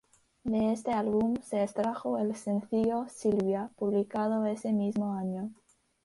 De este álbum se extrajo el sencillo "Sylvia" publicado ese mismo año.